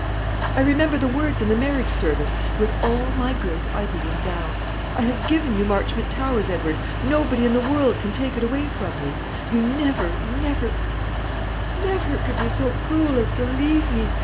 I remember the words in the Marriage Service, 'with all my goods I thee endow.' I have given you Marchmont Towers, Edward; nobody in the world can take it away from you. You never, never, never could be so cruel as to leave me!